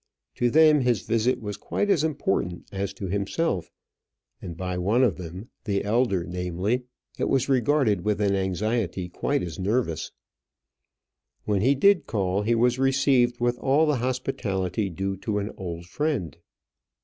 To them his visit was quite as important as to himself; and by one of them, the elder namely, it was regarded with an anxiety quite as nervous. When he did call, he was received with all the hospitality due to an old friend.